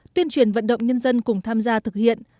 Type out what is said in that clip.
tuyên truyền vận động nhân dân cùng tham gia thực hiện